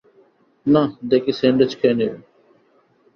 না, দেখি স্যান্ডউইচ খেয়ে নেব।